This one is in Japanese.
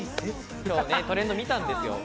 今日、トレンド見たんですよ。